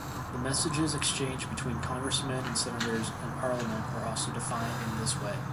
The messages exchanged between congressmen and senators in parliament were also defined in this way.